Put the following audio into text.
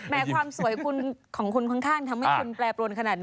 แม้ความสวยของคุณค่อนข้างทำไมคุณแปลปรวนขนาดนี้